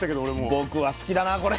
僕は好きだなこれ。